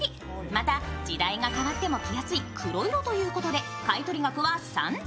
また、時代が変わっても着やすい黒色ということで、買取額は３０００円。